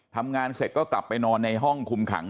ทำงานเสร็จก็กลับไปนอนในห้องคุมขัง